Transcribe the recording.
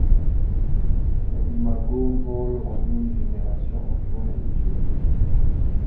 Les imagos volent en une génération en juin et juillet.